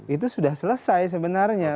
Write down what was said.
itu sudah selesai sebenarnya